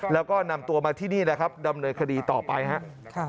แล้วก็นำตัวมาที่นี่นะครับดำเนินคดีต่อไปครับ